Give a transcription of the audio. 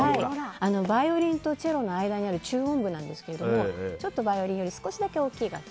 バイオリンとチェロの間にある中音部なんですけどバイオリンより少し大きい楽器。